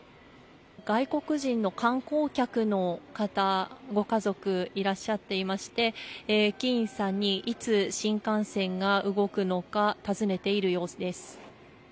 外国人の観光客の方、ご家族いらっしゃっていまして駅員さんにいつ新幹線が動くのか尋ねている様子です。